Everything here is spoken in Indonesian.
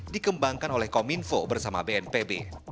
dikembangkan oleh kominfo bersama bnpb